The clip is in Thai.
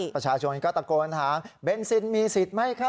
ประชาชนก็ตะโกนถามเบนซินมีสิทธิ์ไหมคะ